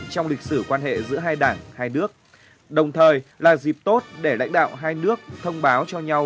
trong lịch sử quan hệ giữa hai đảng hai nước đồng thời là dịp tốt để lãnh đạo hai nước thông báo cho nhau